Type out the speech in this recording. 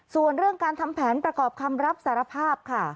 ส่วนเรื่องการทำแผนประกอบคำรับสารภาพค่ะ